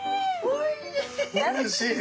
おいしい。